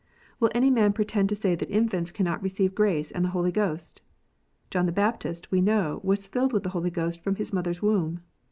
Will any man pretend to say that infants cannot receive grace and the Holy Ghost 1 John the Baptist, we know, was filled with the Holy Ghost from his mother s womb.